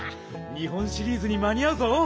日本シリーズにまにあうぞ。